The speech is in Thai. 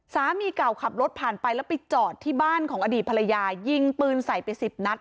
สามีเก่าขับรถผ่านไปแล้วไปจอดที่บ้านของอดีตภรรยายิงปืนใส่ไปสิบนัด